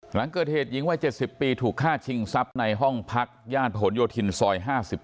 หลังเกิดเหตุหญิงวัย๗๐ปีถูกฆ่าชิงทรัพย์ในห้องพักย่านผนโยธินซอย๕๗